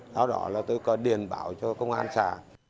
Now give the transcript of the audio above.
đó đó là tôi có điền bảo cho công an xả